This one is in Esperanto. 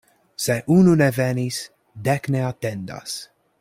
Se unu ne venis, dek ne atendas.